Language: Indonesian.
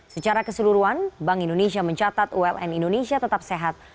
secara keseluruhan bank indonesia mencatat uln indonesia tetap sehat